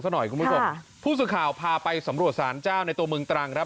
หน่อยคุณผู้ชมค่ะผู้สื่อข่าวพาไปสำรวจสารเจ้าในตัวเมืองตรังครับ